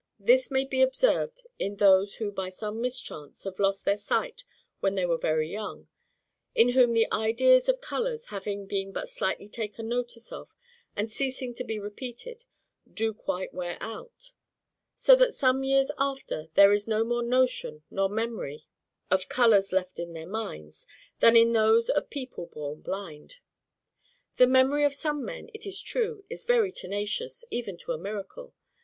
This may be observed in those who by some mischance have lost their sight when they were very young; in whom the ideas of colours having been but slightly taken notice of, and ceasing to be repeated, do quite wear out; so that some years after, there is no more notion nor memory of colours left in their minds, than in those of people born blind. The memory of some men, it is true, is very tenacious, even to a miracle.